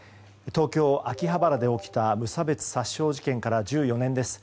東京・秋葉原で起きた無差別殺傷事件から１４年です。